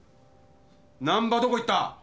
難破どこ行った？